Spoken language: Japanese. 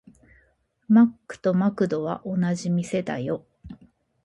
マックとマクドは同じ店だよ。